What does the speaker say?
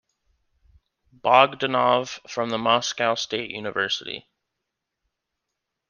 Bogdanov, from the Moscow State University.